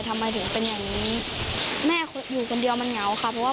หรือว่าอยากเข้าไปนอนกับแม่แต่เขาไม่ให้เข้าไป